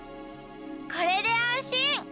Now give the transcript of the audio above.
これであんしん。